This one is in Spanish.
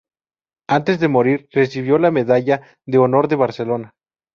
Antes de morir recibió la Medalla de Honor de Barcelona.